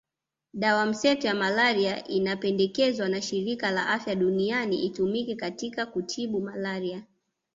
Dawa mseto ya malaria inapendekezwa na Shirika la Afya Duniani itumike katika kutibu malaria